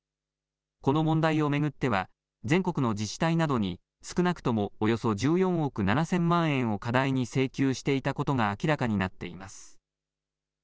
この問題を巡っては全国の自治体などに少なくともおよそ１４億７０００万円を過大に請求していたことが明らかになっています。